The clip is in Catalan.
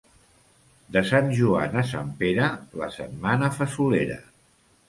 De Sant Joan a Sant Pere, la setmana fesolera.